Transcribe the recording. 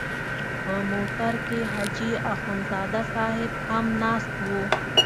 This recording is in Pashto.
په موټر کې حاجي اخندزاده صاحب هم ناست و.